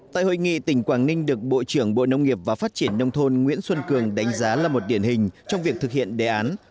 tại hội nghị tỉnh quảng ninh được bộ trưởng bộ nông nghiệp và phát triển nông thôn nguyễn xuân cường đánh giá là một điển hình trong việc thực hiện đề án